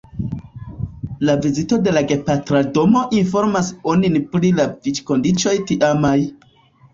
La vizito de la gepatra domo informas onin pri la vivkondiĉoj tiamaj.